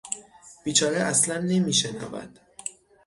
بیچاره اصلا نمیشنود!